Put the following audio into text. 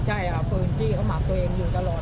ใช่เอาปืนจี้เข้ามาตัวเองอยู่ตลอด